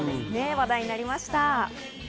話題になりました。